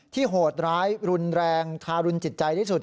โหดร้ายรุนแรงทารุณจิตใจที่สุด